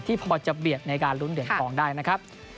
พอจะเบียดในการลุ้นเหรียญทองได้นะครับ